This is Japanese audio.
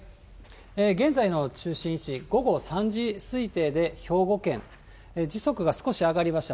現在の中心位置、午後３時推定で兵庫県、時速が少し上がりました。